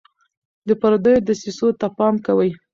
د پردیو دسیسو ته پام کوئ.